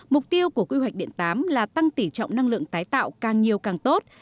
mục tiêu của quy hoạch điện tám là tăng tỉ trọng năng lượng tái tạo càng nhiều càng tốt